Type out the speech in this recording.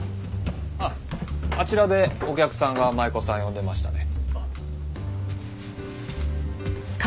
あっあちらでお客さんが舞子さんを呼んでましたね。